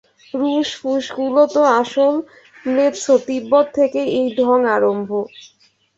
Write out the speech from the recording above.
রুশ-ফুশগুলো তো আসল ম্লেচ্ছ, তিব্বত থেকেই ও ঢঙ আরম্ভ।